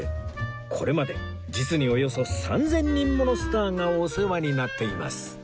これまで実におよそ３０００人ものスターがお世話になっています